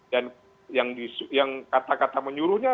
dan yang kata kata menyuruhnya